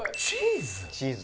「チーズ？」